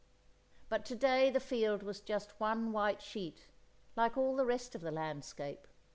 But to day the field was just one white sheet, like all the rest of the landscape.